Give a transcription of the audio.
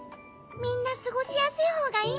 みんなすごしやすいほうがいいもんね。